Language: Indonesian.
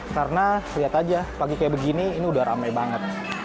karena lihat aja pagi kayak begini ini udah rame banget